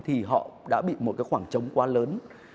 thì họ đã bị một cái khoảng trống quá lớn